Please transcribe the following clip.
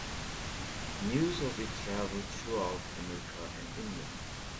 News of it traveled throughout America and England.